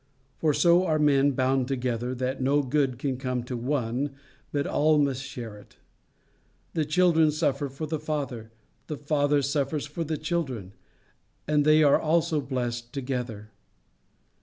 For so are men bound together, that no good can come to one but all must share in it. The children suffer for the father, the father suffers for the children, and they are also blessed together.